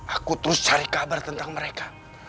aku terus cari kabar tentang mereka